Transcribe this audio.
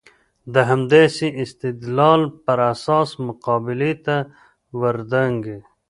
د همداسې استدلال پر اساس مقابلې ته ور دانګي.